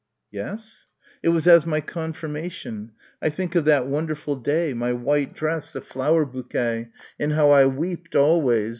"Yes." "It was as my Konfirmation. I think of that wonderful day, my white dress, the flower bouquet and how I weeped always.